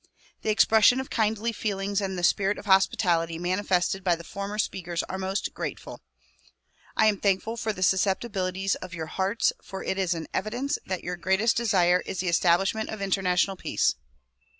The expression of kindly feelings DISCOURSES DELIVERED IN NEW YORK 119 and the spirit of hospitality manifested by the former speakers are most grateful. I am thankful for the susceptibilities of your hearts for it is an evidence that your greatest desire is the establishment of international peace.